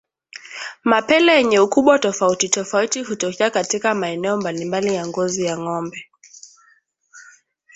Mapele yenye ukubwa tofauti tofauti hutokea katika maeneo mbalimbali ya ngozi ya ngombe